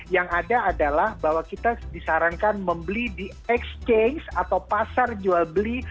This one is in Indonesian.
yang ada adalah bahwa kita disarankan membeli di exchange atau pasar jual beli